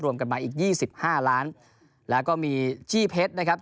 กันมาอีก๒๕ล้านแล้วก็มีจี้เพชรนะครับ